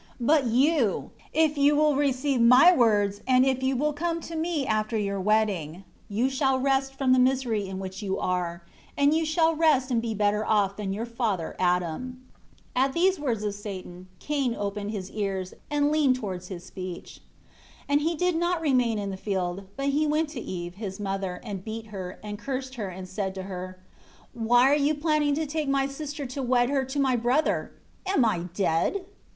10 But you, if you will receive my words and if you will come to me after your wedding, you shall rest from the misery in which you are; and you shall rest and be better off than your father Adam." 11 At these words of Satan Cain opened his ears, and leaned towards his speech. 12 And he did not remain in the field, but he went to Eve, his mother, and beat her, and cursed her, and said to her, "Why are you planning to take my sister to wed her to my brother? Am I dead?"